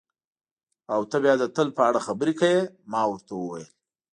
او ته بیا د تل په اړه خبرې کوې، ما ورته وویل.